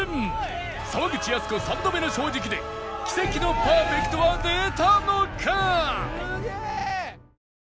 沢口靖子３度目の正直で奇跡のパーフェクトは出たのか？